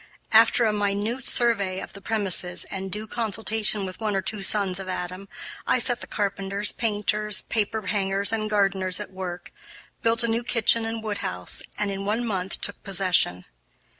After a minute survey of the premises and due consultation with one or two sons of Adam, I set the carpenters, painters, paper hangers, and gardeners at work, built a new kitchen and woodhouse, and in one month took possession.